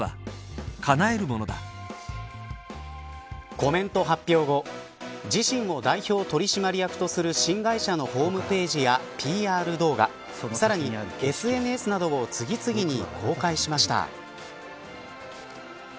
コメント発表後自身を代表取締役とする新会社のホームページやＰＲ動画さらにＳＮＳなどを次々に公開しました。